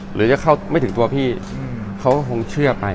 หรือจะเข้าไม่ถึงตัวพี่เขาก็คงเชื่อไป